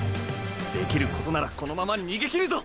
できることならこのまま先行きるぞ！！